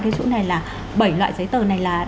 cái chỗ này là bảy loại giấy tờ này là